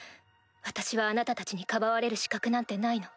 私はあなたたちにかばわれる資格なんてないの。